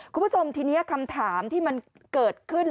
คุณผู้ชมทีนี้คำถามที่มันเกิดขึ้น